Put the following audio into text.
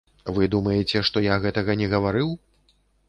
Вы думаеце, што я гэтага не гаварыў?